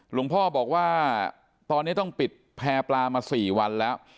หลวงพ่อบอกว่าตอนนี้ต้องปิดแพร่ปลามา๔วันแล้ว